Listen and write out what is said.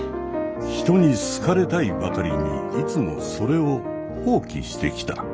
人に好かれたいばかりにいつもそれを放棄してきた。